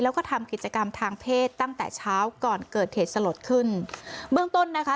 แล้วก็ทำกิจกรรมทางเพศตั้งแต่เช้าก่อนเกิดเหตุสลดขึ้นเบื้องต้นนะคะ